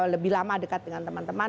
lebih lama dekat dengan teman teman